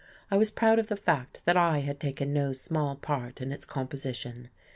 I was proud of the fact that I had taken no small part in its composition....